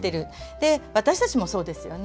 で私たちもそうですよね。